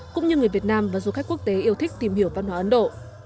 cũng như người việt nam và du khách quốc tế yêu thích tìm hiểu văn hóa ấn độ